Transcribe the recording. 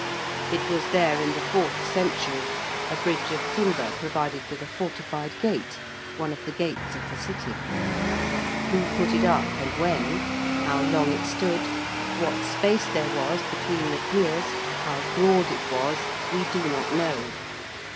It was there in the fourth century a bridge of timber provided with a fortified gate, one of the gates of the City. Who put it up, and when how long it stood what space there was between the piers how broad it was we do not know.